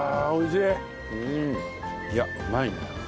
いやうまいな。